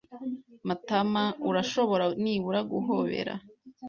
Matamaurashobora nibura guhobera?